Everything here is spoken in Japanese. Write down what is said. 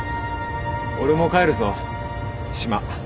俺も帰るぞ島。